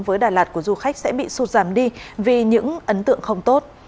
với đà lạt của du khách sẽ bị sụt giảm đi vì những ấn tượng không tốt